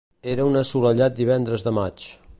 Era un assolellat divendres de maig.